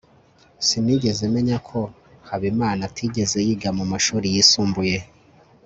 sinigeze menya ko habimana atigeze yiga mumashuri yisumbuye